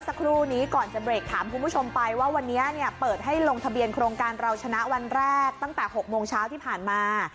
สักครู่นี้ก่อนจะเบรกถามคุณผู้ชมไปว่าวันนี้เนี่ยเปิดให้ลงทะเบียนโครงการเราชนะวันแรกตั้งแต่๖โมงเช้าที่ผ่านมา